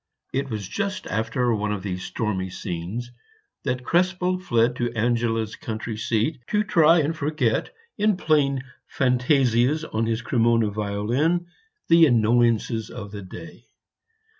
It was just after one of these stormy scenes that Krespel fled to Angela's country seat to try and forget in playing fantasias on his Cremona violin the annoyances of the day.